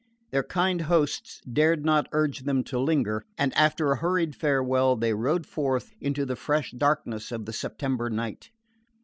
Their kind hosts dared not urge them to linger; and after a hurried farewell they rode forth into the fresh darkness of the September night.